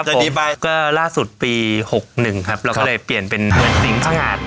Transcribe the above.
จะดีไปก็ล่าสุดปีหกหนึ่งครับครับเราก็เลยเปลี่ยนเป็นเหมือนสิงสงาด